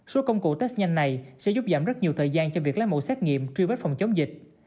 số công cụ test nhanh này sẽ giúp giảm rất nhiều thời gian cho việc lấy mẫu xét nghiệm truy vết phòng chống dịch